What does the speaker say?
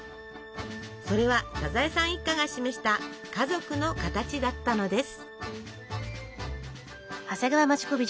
それはサザエさん一家が示した家族の形だったのです。